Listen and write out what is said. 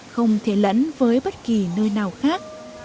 không thể lẫn với bất kỳ nơi nào khác